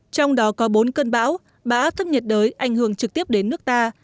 trong đó có bốn cơn bão ba áp thấp nhiệt đới ảnh hưởng trực tiếp đến nước ta